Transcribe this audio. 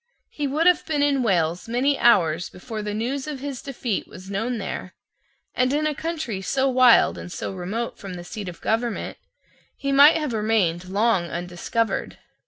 He would have been in Wales many hours before the news of his defeat was known there; and in a country so wild and so remote from the seat of government, he might have remained long undiscovered.